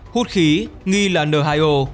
hút khí nghi là n hai o